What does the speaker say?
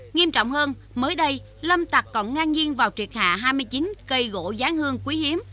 nghiêm trọng hơn mới đây lâm tặc còn ngang nhiên vào triệt hạ hai mươi chín cây gỗ giáng hương quý hiếm